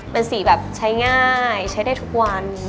เป็นสีแบบใช้ง่ายใช้ได้ทุกวัน